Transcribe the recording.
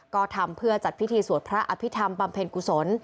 ก็ทำเพื่อจัดพิธีสวดพระอภิษฐรรมบำเพ็ญกุศล